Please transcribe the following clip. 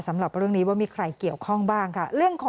สำหรับเรื่องนี้ว่ามีใครเกี่ยวข้องบ้างค่ะ